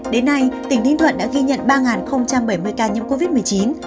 đến nay tỉnh ninh thuận đã ghi nhận ba bảy mươi ca nhiễm covid một mươi chín